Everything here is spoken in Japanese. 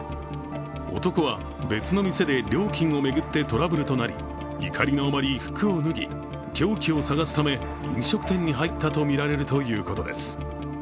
男は別の店で料金を巡ってトラブルとなり怒りのあまり服を脱ぎ、凶器を探すため飲食店に入ったとみられるということです。